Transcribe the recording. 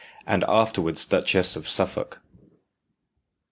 and afterwards Duchess of Suffolk.